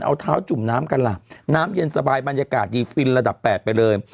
เอาเท้าจุ่มน้ำกันล่ะน้ำเย็นสบายบรรยากาศดีฟินระดับ๘ไปเลย